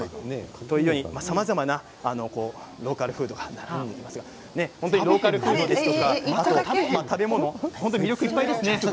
さまざまなローカルフードが並んでいますがローカルフードですとか食べ物、魅力いっぱいですね。